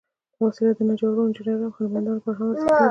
دا وسيله د نجارو، انجینرانو، او هنرمندانو لپاره هم ارزښت لري.